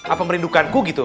apa merindukan ku gitu